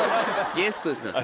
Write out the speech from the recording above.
ゲストですから。